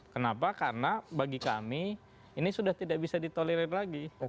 kenapa karena bagi kami ini sudah tidak bisa ditolerir lagi